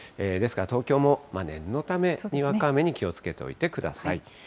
ですから東京も念のため、にわか雨に気をつけておいてください。